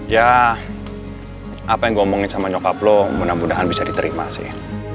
ya apa yang gue omongin sama nyokap lo mudah mudahan bisa diterima sih